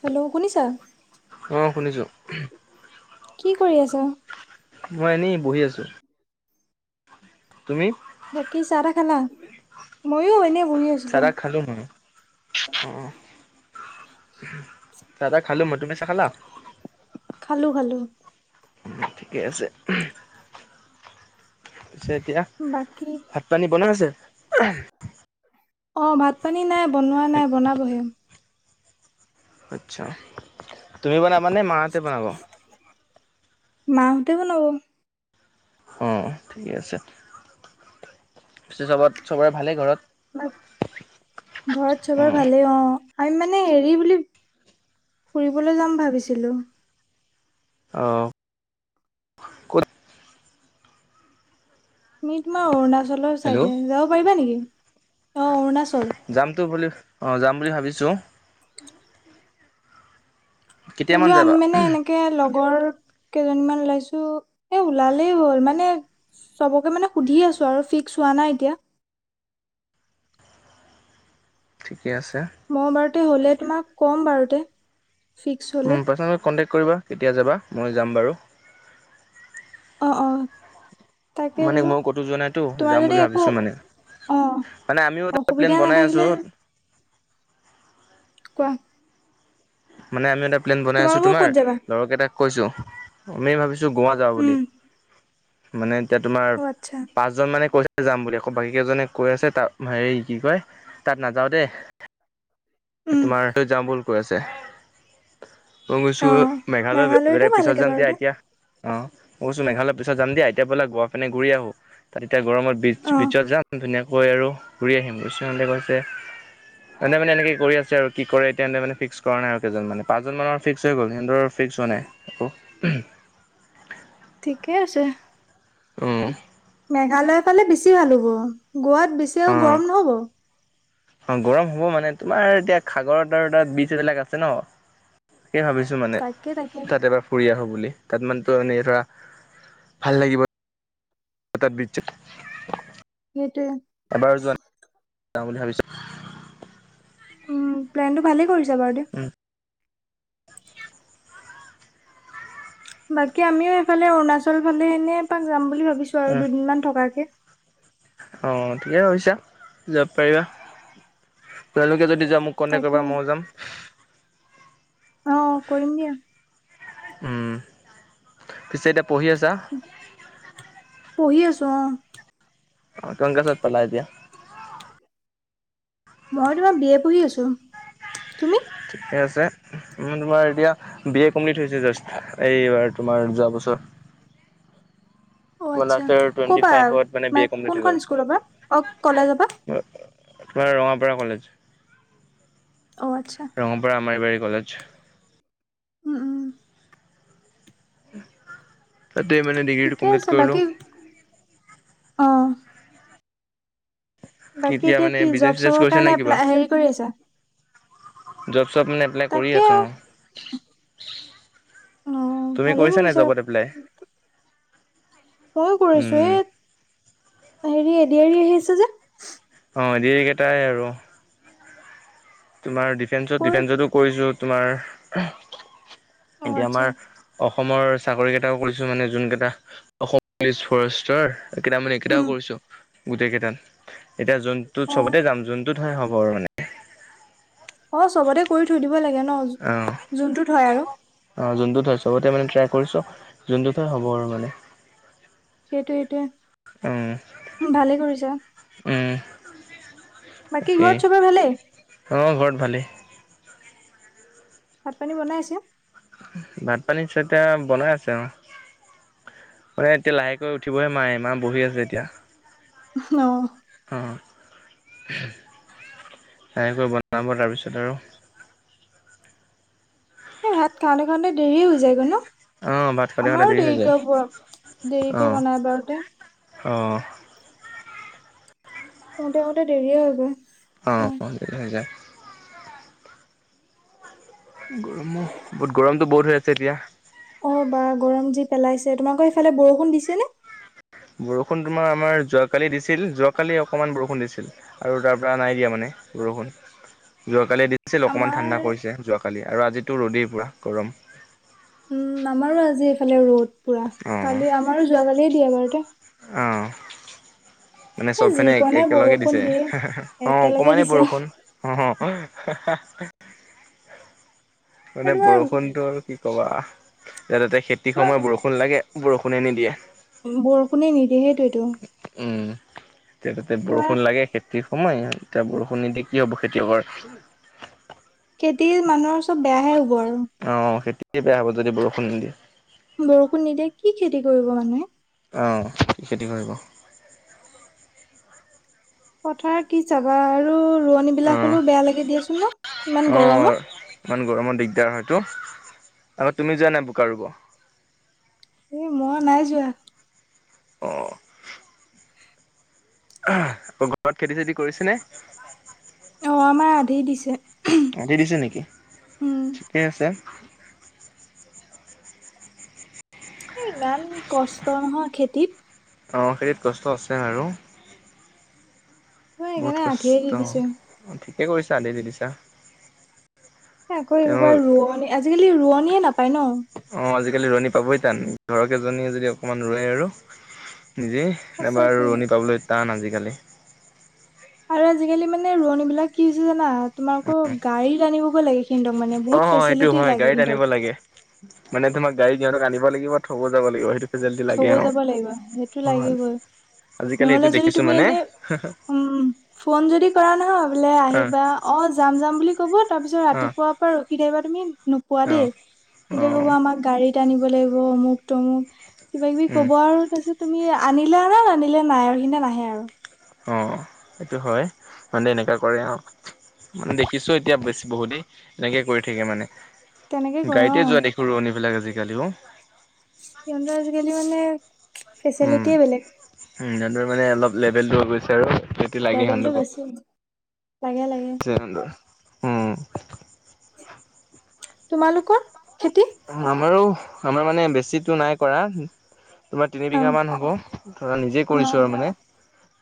Hello, শুনিছা? অ', শুনিছো। কি কৰি আছা? মই এনেই বহি আছো। তুমি? বাকী চাহ- তাহ খালা? মইওঁ এনে বহি আছো। চাহ-তাহ খালো হয়। অ', চাহ-তাহ খালো মই। তুমি চাহ খালা? খালো-খালো। ঠিকে আছে। পিছে এতিয়া। বাকী। ভাত পানী বনাই আছে। অ', ভাত পানী নাই বনোৱা নাই, বনাবহে। আচ্ছা, তুমি বনাবানে মাহঁতে বনাব। মাহঁতে বনাব। অ', ঠিকে আছে, চবত চবৰে ভালেই ঘৰত? ঘৰত চবৰে অ' ভালেই অ', আমি মানে হেৰি বুলি ফুৰিবলে যাম ভাবিছিলোঁ। অঁ তুমি তোমাৰ অৰুণাচলৰ হেল্ল' চাইডে যাব পাৰিবা নেকি? অ', অৰুণাচল যামতো বুলি, অঁ যাম বুলি ভাবিছোঁ। কেতিয়ামান বোলো আমি যাবা মানে এনেকে এনেকে লগৰ কেইজনীমান ওলাইছো এ ওলালেই হ'ল, মানে। চবকে মানে সুধি আছো আৰু ফিক্স হোৱা নাই এতিয়া। ঠিকে আছে। মই বাৰুতে হ'লে তোমাক ক'ম বাৰুতে। ফিক্স হলে পাৰ্চনেল কণ্টেক্ট কৰিবা কেতিয়া যাবা মই যাম বাৰু। অঁ', অঁ মানে মই ক'তো যোৱা নাইতো তোমাৰ যাম যদি বুলি একো ভাবিছো মানে। অ মানে আমিও এটা প্লেন অসুবিধা বনাই আছো। নাথাকিলে কোৱা? মানে আমি এটা প্লেন বনাই আছো, তোমালোকৰ তোমাৰ ক'ত যাবা লগৰকেইটাক কৈছো। আমি ভাবিছো গুৱা যাওঁ বুলি, উম মানে এতিয়া তোমাৰ অ আচ্ছা পাছ এজন মানে কৈছে যাম বুলি, আকৌ বাকী কেইজনে কৈ আছে তা হেৰি কি কয় তাত নাযাওঁ দে। উম তোমাৰৈ যাওঁ বল কৈ আছে। মই অ কৈছো মেঘালয় মেঘালয়তো বেলেগ ভাল পিছত লাগে যাম বাৰু দিয়া, দে এতিয়া। অ', কৈছো মেঘালয়ৰ পিছত যাম দিয়া, এতিয়া বলা গুৱা পিনে ঘূৰি আহো। তাত এতিয়া গৰমত বীচ অ বীচত যাম ধুনীয়াকৈ- গৈ আৰু ঘূৰি আহিম, ইচোহঁতে কৈছে মানে মানে এনেকৈ কৰি আছে আৰু কি কৰে এতিয়া মানে ফিক্স কৰা নাই আৰু কেইজন মানে পাঁচজন মানৰ ফিক্স হৈ গল সিহতৰ ফিক্স হোৱা নাই। আকৌ [unintelligible] ঠিকে আছে, উম। মেঘালয় ফালে বেছি ভাল হ'ব। গুৱাত বেছি আৰু গৰম নহ'ব। অঁ ', গৰম হ'ব মানে তোমাৰ এতিয়া সাগৰৰ তাৰ বীজ এইবিলাক আছে ন। তাকে ভাবিছো মানে তাকে তাকে তাত এবাৰ- বঢ়িয়া হ'ব বুলি, তাত মানে এই ধৰা ভাল লাগিব। তাত বিচ সেইটোৱে। এবাৰ যোৱা যাওঁ বুলি ভাবিছো। অঁ প্লেনটো ভালেই কৰিছা বাৰু। উম বাকী আমিও এইফালে অৰুণাচল ফালে এনে এপাক যাম বুলি ভাবিছো আৰু উম, দুদিনমান থকাকে। অ ঠিকে কৈছা যাব পাৰিবা, তোমালোকে যদি যোৱা মোক- কন্টেক তাকে কৰিবা মইয়ো যাম। অ কৰিম দে। উম পিছে এতিয়া পঢ়ি আছা। পঢ়ি আছো অঁ। অঁ কিমান ক্লাছ পালা এতিয়া? মই তোমাৰ বি এ পঢ়ি আছো, তুমি? ঠিকে আছে। মানে তোমাৰ এতিয়া বি এ কমপ্লিট হৈছে জাষ্ট এইবাৰ তোমাৰ যোৱা বছৰ। অ আচ্ছা পলাশৰ টোয়েনটি ক'পা ফাইভত মানে বি এ কমপ্লিট হৈ কোনখন গল। স্কুলৰ পৰা অ কলেজৰ পৰা আপোনাৰ ৰঙাপাৰা কলেজ। অঁ আচ্ছা। ৰঙাপাৰা আমৰবাৰী কলেজ। উম উম। তাতে মানে ডিগ্ৰীটো ঠিকে কমপ্লিট আছে বাকী কৰিলোঁ। অ। কি বাকী এতিয়া মানে জব বিজনেচ-চিজনেচ চবৰ কৰিছা কাৰণে নে কিবা? এপ্লাই হেৰি কৰি আছা জব-চব মানে এপ্লাই কৰি তাকে আছোঁ আৰু। অ। অ তুমি কৰিছা নাই জবত এপ্লাই? মই কৰিছো এ উম হেৰি এদিয়েৰি আহি আছে যে। অ এদিয়েৰি কেইটাই আৰু। তোমাৰ কৰি ডিফেন্সত-ডিফেন্সতো কৰিছো তোমাৰ, অ এতিয়া আচ্ছা আমাৰ অসমৰ চাকৰি কেইটাও কৰিছো মানে যোন কেইটা অসম পুলিচ ফৰেষ্টৰ কেইটামান এই কেইটাও উম কৰিছো গোটেই কেইটাত এতিয়া যোনটোত অ চবতে যাম যোনটোত নহয় হ'ব আৰু মানে। অ চবতে কৰি থৈ দিব লাগে ন অহ। যোনটোত হয় আৰু অহ, যোনটোত হয় চবতে মানে ট্ৰাই কৰিছো যোনটোত হয় হ'ব আৰু মানে। উম সেইটো-সেইটোৱে ভালেই কৰিছা। উম, বাকী ঘৰত চবৰে ভালেই [unintelligible] অ ঘৰত ভালেই। ভাত-পানী বনাই আছে? ভাত-পানী [unintelligible] বনাই আছে অ। অ এতিয়া লাহেকৈ উঠিবহে মায়ে, মা বহি আছে এতিয়া। অহ। অ, এনেকৈ বনাব তাৰপিছত আৰু এই ভাত খাওঁতে-খাওঁতে দেৰিয়ে হৈ যায় গৈ ন? অ', ভাত খাওঁতে খাওঁতে আমাৰো দেৰি হৈ যায় দেৰিকে বোৱা দেৰিকৈ বনাই [unintelligible] অহ। শুওঁতে-শুওঁতে দেৰিয়ে হয় গৈ। অ। [unintelligible] গৰমো বহুত গৰমটো বহুত হৈ আছে এতিয়া। অ বা গৰম যি পেলাইছে। তোমালোকৰ সেইফালে বৰষুণ দিছেনে? বৰষুণ তোমাৰ আমাৰ যোৱাকালি দিছিল। যোৱাকালি অকমান বৰষুণ দিছিল। আৰু তাৰ পৰা নাই দিয়া মানে বৰষুণ, যোৱা কালি দি ছিল অকমান আমাৰ ঠাণ্ডা কৰিছে যোৱাকালি আৰু আজিতো ৰ'দেই পুৰা গৰম। উম আমাৰো আজি এইফালে ৰ'দ পুৰা, কালি আমাৰো যোৱাকালিয়ে দিয়া [unintelligible] অহ। মানে এ চব ফেনে এক যিকণে একেলগে বৰষুণ দিছে। দিয়ে হে-হে-হে, অ একেলগে অকমানেই দিছে বৰষুণ। অহ অহ, হাঁ হাঁ। মানে তোমাৰ বৰষুণটো আৰু কি কবা। ইয়াত তাতে খেতিৰ সময়ত বৰষুণ লাগে বৰষুণে নিদিয়ে। বৰষুণে নিদিয়ে সেইটোৱেই টো। উম, এতিয়া তাতে বৰষুণ লাগে খে তিৰ সময় এতিয়া বৰষুণ নিদি কি হ'ব খেতিয়েকৰ? খেতিৰ মানুহৰ চব বেয়াহে হ'ব আৰু। অহ, খেতিয়ে বেয়া হ'ব যদি বৰষুণ নিদিয়ে। বৰষুণ নিদিয়ে কি খেতি কৰিব মানুহে? অহ [unintelligible] খেতি কৰিব। পথাৰ কি চাবা আৰু ৰোৱনী অ বিলাকৰ লৈও বেয়া লাগে দিয়াচোন ন, ইমান অ গৰমত। ইমান গৰমৰ দিগদাৰ হয়তো। আকৌ তুমি যোৱা নাই বোকা ৰুব? এই মই নাই যোৱা। অ'। [inaudible] [unintelligible] ঘৰত খেতি চেতি কৰিছে নে। অহ আমাৰ আধি দিছে। আধি দিছে নেকি? উম ঠিকেই আছে। ইমান কষ্ট নহয় খেতিত। অ', খেতিত কষ্ট আছে আৰু। মই বহুত সেইকাৰণে আধিয়ে কষ্ট দি দিছো। অ', ঠিকে কৰিছা আধি দি দিছা। আকৌ তেওঁ এইবাৰ ৰোৱনী আজিকালি ৰোৱনীয়ে নাপায় ন। অ', আজিকালি ৰোৱনী পাবই টান, ঘৰৰ কেইজনীয়ে যদি অকণমান ৰোৱে আৰু নিজেই। আমাৰ সঁচাকে ৰোৱনী পাবলৈ টান আজিকালি। আৰু আজিকালি মানে ৰোৱনী বিলাক কি হৈছে জানা, তোমাৰ আকৌ গাড়ীত আনিবগৈ লাগে। কিন্তু মানে অ বহুত সেইটো ফেচিলিটি হয় লাগে গাড়ীত আনিব সিহঁতক। লাগে মানে তোমাৰ গাড়ীত সিহঁতক আনিব লাগিব, থ'বও যাব লাগিব সেইটো ফেচিলিটি থ'ব লাগে অ যাব লাগিব সেইটো অ লাগিবৈ। আজিকালি নহ'লে এইটো যদি দেখিছো তুমি মানে এনে উম, ফোন যদি কৰা নহয় বোলে অ আহিবা অ', যাম- যাম বুলি ক'ব তাৰপিছত অ ৰাতিপুৱাৰ পৰা ৰখি থাকিবা তুমি নোপোৱা অ দেই। অ সিহঁতি ক'ব আমাক গাড়ীত আনিব লাগিব অমুক তমুক, কিবা কিবি উম কব আৰু তাৰপিছত তুমি আনিলে আনা নানিলে নাই আৰু সিদিনা নাহে আৰু। অ', সেইটো হয়, মানে এনেকুৱা কৰে আৰু। মানে দেখিছো এতিয়া বেছি বহুতেই, এনেকে কৰি থাকে মানে। তেনেকে কৰে অ গাড়ীতে যোৱা দেখো ৰোৱনী বিলাক আজিকালিও। সিহঁতে আজি কালি মানে উম, উম, ফেচিলিটিয়ে বেলেগ সিহঁতৰ মানে অলপ লেভেল দিব বিচাৰে লেভেলটো বেছি, লাগে- লাগে। [unintelligible] উম তোমালোকৰ খেতি আমাৰো আমাৰ মানে বেছিটো নাই কৰা তোমাৰ তিনি অ বিঘা মান হ'ব, ধৰা নিজে অ কৰিছো আৰু মানে।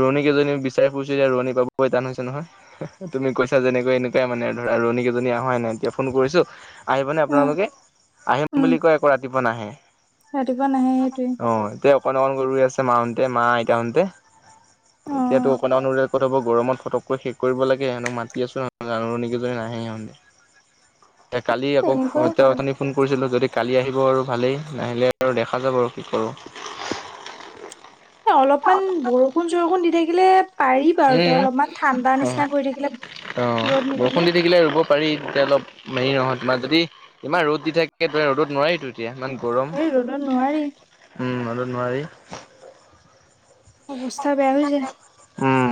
ৰোৱনী কেইজনী বিচাৰি ফুৰিছো এতিয়া ৰোৱনী পাবই টান হৈছে নহয়, তুমি কৈছা যেনেকৈ এনেক মানে ধৰা ৰোৱনী কেইজনী অহাই নাই, এতিয়া ফোন কৰিছোঁ আহিব নে অ আপোনালোকে। আহোম উম বুলি কৈ আকৌ ৰাতিপুৱা নাহে। ৰাতিপুৱা নাহে সেইটোৱে অ', এতিয়া অকণ- অকণকে ৰুই আছে মাহতে মা আইতাহতে, অ এতিয়াতো অকণ- অকণ ত হ'ব গৰমত ফতককৈ শেষ কৰিব লাগে, সিহঁতক মাতি আছো ৰোৱনী কেইজনী নাহে সিহঁতে। এ কালি আকৌ তেনেকুৱাই কৰে [unintelligible] ফোন কৰিছিলোঁ যদি কালি আহিব আৰু ভালেই, নাহিলে আৰু দেখা যাব আৰু কি কৰোঁ। অলপমান বৰষুণ চৰষুণ দি থাকিলে পাৰি বাৰু তে উম। অলপমান ঠাণ্ডা নিচিনা কৰি থাকিলে অ', ৰ'দ নিদিলে। [unintelligible] থাকিলে ৰুব পাৰি তেতিয়া অলপ হেৰি নহয় তোমাৰ যদি ইমান ৰ'দ দি থাক ৰ'দত নোৱাৰি টো এতিয়া ইমান গৰম, এই ৰ'দত নোৱাৰি উম, ৰ'দত নোৱাৰি। অৱস্থা বেয়া হৈ যায়। উম।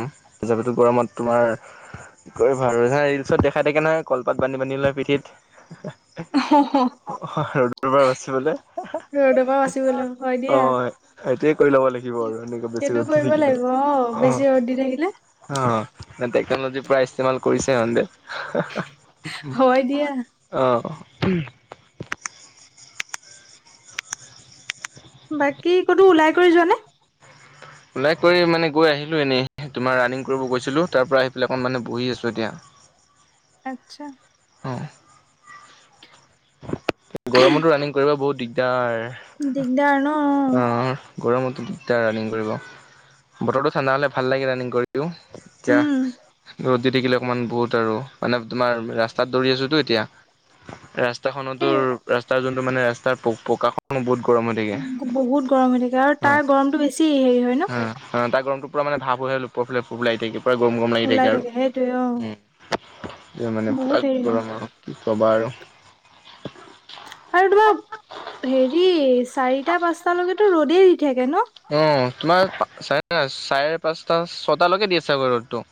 [unintelligible] গৰমত তোমাৰ [unintelligible] নহয় ৰিলচত দেখাই থাকে নহয় কলপাত বান্ধি-বান্ধি লয় পিঠিত। [unintelligible] অ', ৰ'দৰ পৰাৰ বাচিবলে, অ', ৰ'দৰ পৰা বাচিবলৈ দিয়া হয়। সেইটোয়ে কৰি ল'ব লাগিব আৰু এনেকুৱা বেছি সেইটো ৰ'দ দি কৰিব থাকিলে, লাগিব অ অ'। বেছি ৰ'দ দি থাকিলে। অ', [unintelligible] টেকনলজি পুৰা ইস্তেমাল কৰিছে ইহঁতে। হয় দিয়া অ'। বাকী ক'তো ওলাই কৰি যোৱা নে। ওলাই কৰি মানে গৈ আহিলোঁ এনেই তোমাৰ ৰানিং কৰিব গৈছিলোঁ তাৰপৰা আহি পেলাই অকণ মানে বহি আছোঁ এতিয়া। আচ্ছা। অঁ গৰমতো ৰাণিং কৰিব বহুত দিগদাৰ, দিগদাৰ ন অঁহ গৰমতো দিগদাৰ ৰানিং কৰিব বতৰটো ঠাণ্ডা হ'লে ভাল লাগে ৰানিং কৰিও। এইচ্ছা উম ৰ'দ [unintelligible] থাকিলে অকণমান বহুত আৰু মানে তোমাৰ ৰাস্তাত দৌৰি আছোতো এতিয়া, ৰা- ৰাস্তাখনটো সেই ৰাস্তা যোনটো মানে ৰাস্তা প পকা- বহুত গৰম হয় থাকে, বহুত গৰম হৈ থাকে আৰু হ তাৰ গৰমটো বেছি হেৰি হয় ন অঁ তা গৰম টো পৰা মানে ভাৱ হৈ হৈ ওপৰফালে ফুৰিবলে আহি থাকিব। পৰা গৰম গৰম লাগি থাকে ওলাই আৰু সেইটোৱে অ উ মানে বহুত হেৰি হয় গৰম আৰু- কি ক'বা আৰু- আৰু তোমাৰ হেৰি চাৰিটা পাঁচটালৈকেতো ৰ'দেই দি থাকে ন। অ তোমাৰ চাৰে চাৰে পাঁচটা ছটালৈকে দি আছে বাৰু ৰ'দটো।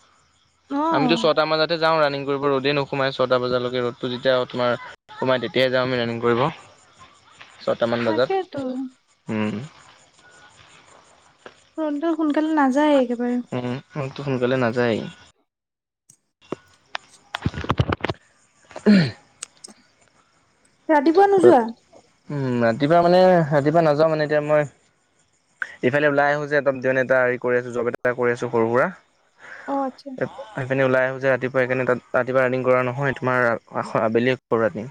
আমিতো অ', ছটা বজাতে যাওঁ ৰানিং কৰিব ৰ'দেই নোসোমাই ছটা বজালৈকে ৰ'দতটো যেতিয়া তোমাৰ- সোমাই তেতিয়াই যাওঁ আমি ৰানিং কৰিব, ছয়টামান বজাত- তাকেতো ৰ'দ ডাল সোনকালে নাযায় একেবাৰে- ৰ'দ টো সোনকালে নাযায়। উম ৰাতিপুৱা নোযোৱা। উম ৰাতিপুৱা মানে ৰাতিপুৱা নাযাওঁ মানে এতিয়া মই- ইফালে ওলাই আহো যে এন এটা হেৰি কৰি আছো জব এটা কৰি আছো সৰু সুৰা। অ আচ্ছা। আহিপিনে ওলাই আহোঁ যে ৰাতিপুৱা সেইকাৰনে তাত ৰাতিপুৱা ৰানিং কৰা নহয় তোমাৰ আ আবেলি কৰোঁ ৰাণিং।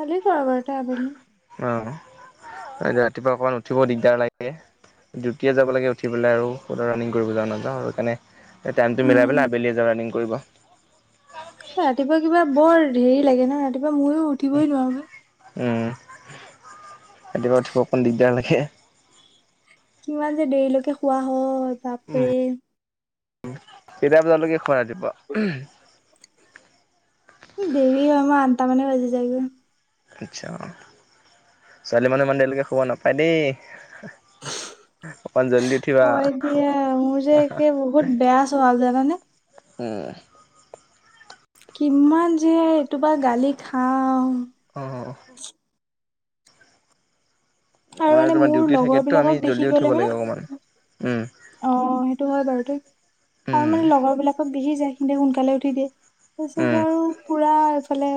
খালি কোৱাবাৰতা আবেলি। অ ৰাতিপুৱা অকমান উঠিব দিগদাৰ লাগে। ডিউটিয়ে যাব লাগে উঠি পেলাই আৰু কটা ৰাণনিং কৰিব যাওঁ নায়াওঁ সেইকাৰণে- টাইমটো মিলাই উম, পেলায় আবেলিয়ে যাওঁ ৰানিং কৰিব। ৰাতিপুৱা কিবা বৰ হেৰি লাগে ন ৰাতিপুৱা ময়ো উঠিবই নোৱাৰো। উম, ৰাতিপুৱা উঠিব অকমান দিগদাৰ লাগে। কিমান যে দেৰিলৈকে শুৱা হয়, উম, বাপৰে- কেইটা বজালৈকে শুৱা ৰাতিপুৱা উমহ- দেৰি হয় মই আঠটা মানে বাজি যায়গৈ। আচ্ছা, ছোৱালী মানুহ ইমান দেৰিলৈকে শুব নাপায় দেই অকমান জল্দি উঠিবা। হয় দিয়া মোৰ যে একে বহুত বেয়া চভাৱ জানানে। উম কিমান যে এইটো পা গালি খাও। অঁ আৰু আমাৰ মানে তোমাৰ মোৰ ডিউটি লগৰ থাকেতো আমি বিলাকক দেখি জল্দি উঠিব গলে মানে- লাগে অকমান। উম, অঁ সেইটো হয় বাৰু, তই আৰু উম, মানে লগৰ বিলাকক বিহি যায় সি সোনকালে উঠি দিয়ে। উম। তাৰপিছত আৰু পুৰা এইফালে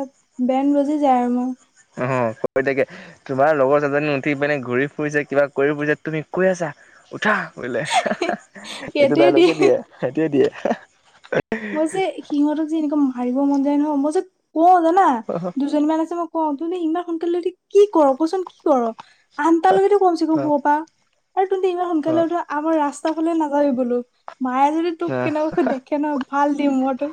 বেন বাজি যায় আৰু মোৰ- অ কৰি থাকে, তোমাৰ লগৰ গেজনী উঠি পিনে ঘূৰি ফুৰিছে কিবা কৰি ফুৰিছে তুমি কৈ আছা। উঠা বোলে এইটো ডাইলগে দিয়ে সেইটোৱে দিয়ে। মই যে সিহঁতক যে এনেকুৱা মাৰিব মন যায় নহয় মই যে কওঁ জানা অ দুজনীমান আছে মোক- ক তুমি ইমান সোনকালে কি কৰ কচোন কি কৰ আনটাৰ লগেতো কমচেকম শুব পাওঁ। আৰু তুমি ইমান সোনকালে উধা আমাৰ ৰাস্তা ফালে নাযায়ি বলো মায়ে যদি তোক অ কেনেকবাকৈ দেখে ন। ভাল দিম মইতো।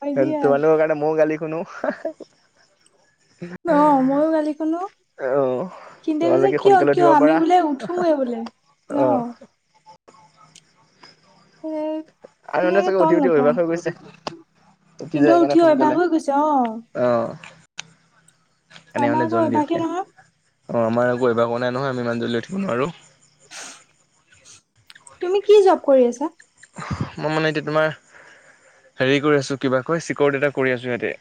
ভয় দিয়ে কাৰণে ম‌ইও গালি শুনো। অ ময়ো গালি শুনো। অ কিন্তে কৈছে তোমালোকে কিয় সোনকালে কিয় উঠিব আমি পাৰা বোলে উঠোৱে বোলে অ অহ [inaudible] আৰু মানে ধুনীয়াকে চাগে উঠি তল উঠি নপৰা অভ্যাস হৈ গৈছে সিন্দুৰ উঠি আহ ভাগ হৈ গৈছে অঁ। আহ এনে আমাৰ মানে আকৌ জ্বদি অভ্যাসে উঠে। নহয় অঁ আমাৰ আক অভ্যাস নাই নহয় আমি ইমান জলদি উঠিব নোৱাৰো। তুমি কি জব কৰি আছা? মই মানে এতিয়া তোমাৰ হেৰি কৰি আছো কিবা কৈ চিকৰিটি এটা কৰি আছো ইয়াতে।